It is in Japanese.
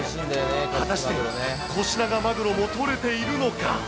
果たして、コシナガマグロも取れているのか。